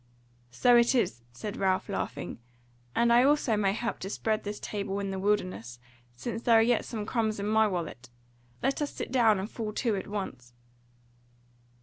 "So it is," said Ralph, laughing, "and I also may help to spread this table in the wilderness, since there are yet some crumbs in my wallet. Let us sit down and fall to at once."